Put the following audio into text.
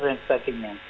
komputer dan sebagainya